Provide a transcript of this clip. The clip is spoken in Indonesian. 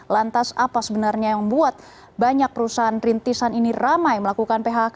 lantas apa sebenarnya yang membuat banyak perusahaan rintisan ini ramai melakukan phk